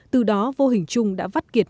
từ đó vô hình trung đã vắt kiệt